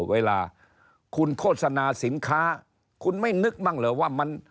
เวลาคุณโฆษณาสินค้าคุณไม่นึกบ้างเหรอว่ามัน